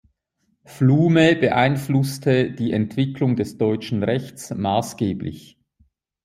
Flume beeinflusste die Entwicklung des deutschen Rechts maßgeblich.